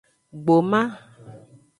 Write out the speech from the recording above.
Gboma.